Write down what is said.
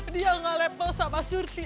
dia gak level sama surti